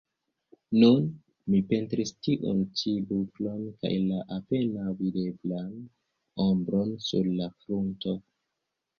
Nun mi pentris tiun ĉi buklon kaj la apenaŭ videblan ombron sur la frunto.